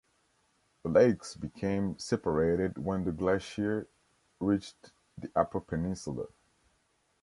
The lakes became separated when the glacier reached the upper peninsula.